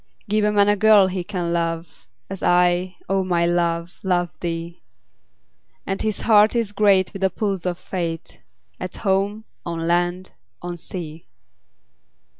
Give a man a girl he can love, As I, O my love, love thee; 10 And his heart is great with the pulse of Fate, At home, on land, on sea.